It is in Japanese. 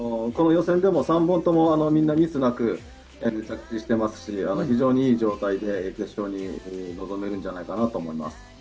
予選でも３本ともみんなミスなく着地していますし、非常に良い状態で決勝に臨めるんじゃないかなと思います。